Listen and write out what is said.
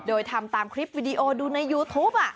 โดยทำตามคลิปวิดีโอดูในยูทูป